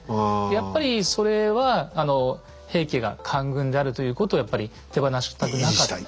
やっぱりそれは平家が官軍であるということをやっぱり手放したくなかった。